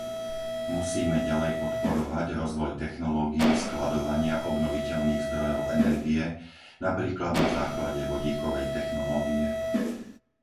Musíme ďalej podporovať rozvoj technológií skladovania obnoviteľných zdrojov energie, napríklad na základe vodíkovej technológie.